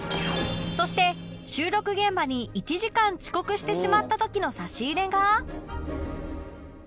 そして収録現場に１時間遅刻してしまった時の差し入れが